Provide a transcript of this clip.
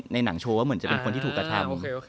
หนังโชว์ว่าเหมือนจะเป็นคนที่ถูกกระทำ